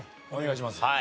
お願いします。